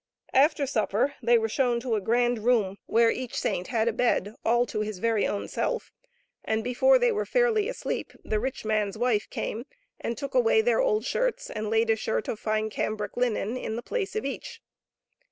After supper they were shown to a grand room, where each saint had a bed all to J32 HOW THE GOOD GIFTS WERE USED BY TWO. hb very own self, and before they were fairly asleep the rich man's wife came and took away their old shirts, and laid a shirt of fine cambric linen in the place of each.